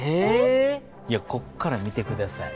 こっから見て下さい。